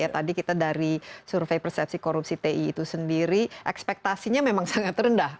tadi kita dari survei persepsi korupsi ti itu sendiri ekspektasinya memang sangat rendah